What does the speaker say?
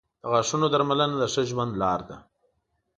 • د غاښونو درملنه د ښه ژوند لار ده.